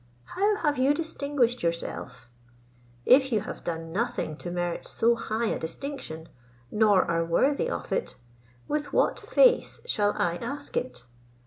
How have you distinguished yourself? If you have done nothing to merit so high a distinction, nor are worthy of it, with what face shall I ask it?